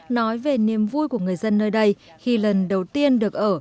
nói về niềm vui của người dân nơi đây khi lần đầu tiên được ở